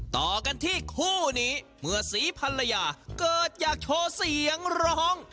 ต่อกันที่คู่นี้เมื่อศรีภรรยาเกิดอยากโชว์เสียงร้อง